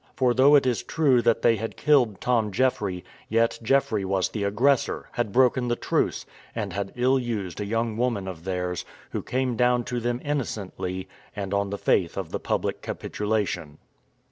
For though it is true that they had killed Tom Jeffry, yet Jeffry was the aggressor, had broken the truce, and had ill used a young woman of theirs, who came down to them innocently, and on the faith of the public capitulation.